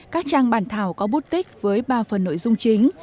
các trang bản thảo có bút tích với ba phần nội dung chính